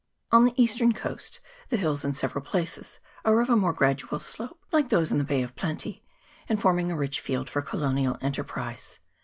On the eastern coast the hills in several places are of a more gradual slope, like those in the Bay of Plenty, and forming a rich field for colonial enterprise.